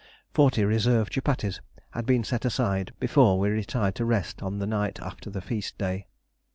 Forty reserve chupatties had been set aside before we retired to rest on the night after the feast day.